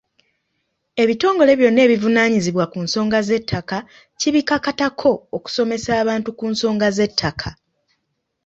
Ebitongole byonna ebivunaanyizibwa ku nsonga z'ettaka kibikakatako okusomesa abantu ku nsonga z’ettaka.